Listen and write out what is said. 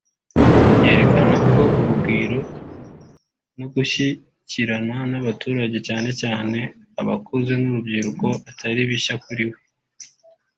yerekana ko urugwiro no gushyikirana n’abaturage cyane cyane abakuze n’urubyiruko atari bishya kuri we